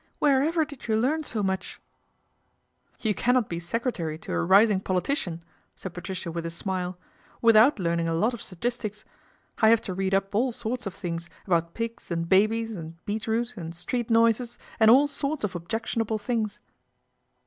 Wherever did you learn so much ?"' You cannot be secretary to a rising poli Ician," said Patricia with a smile, " without Earning a lot of statistics. I have to read up <1 sorts of things about pigs and babies and beet i>ot and street noises and all sorts of objectionable uings.''